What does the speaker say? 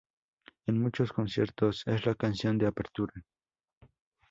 En muchos conciertos es la canción de apertura.